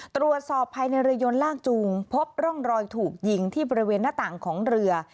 ตรวจสอบภายในเรือยนลากจูงพบร่องรอยถูกยิงที่บริเวณหน้าต่างของเรือ